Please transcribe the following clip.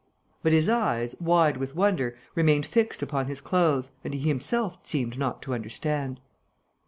But his eyes, wide with wonder, remained fixed upon his clothes; and he himself seemed not to understand.